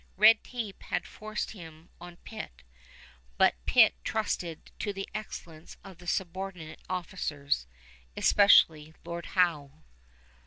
Red tape had forced him on Pitt, but Pitt trusted to the excellence of the subordinate officers, especially Lord Howe.